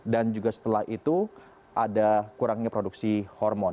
dan juga setelah itu ada kurangnya produksi hormon